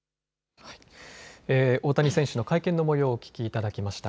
大谷選手の会見の模様をお聞きいただきました。